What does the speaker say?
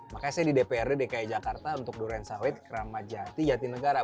makanya saya di dprd dki jakarta untuk durian sawit keramat jati jati negara